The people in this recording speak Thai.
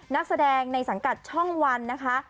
นักแสดงในสังกัดช่องวันนะคะ